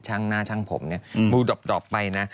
เช่งหน้าเช่งผมดบไปนะ